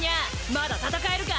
まだ戦えるか？